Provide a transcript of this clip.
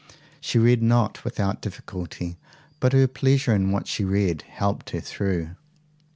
She read not without difficulty, but her pleasure in what she read helped her through.